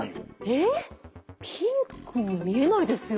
えっピンクに見えないですよ！